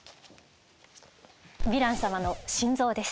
ヴィラン様の心臓です。